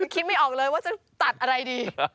คิดไม่ออกเลยว่าจะตัดอะไรดี